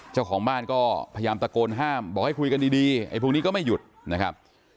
เจ้าของบ้านก็พยายามตะโกนห้ามบอกให้คุยกันดีไอ้พวกนี้ก็ไม่หยุดนะครับ